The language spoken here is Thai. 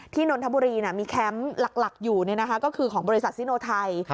นนทบุรีมีแคมป์หลักอยู่ก็คือของบริษัทซิโนไทย